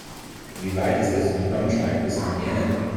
Wie weit ist es von Braunschweig bis nach Herne?